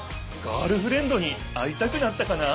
ガールフレンドに会いたくなったかな？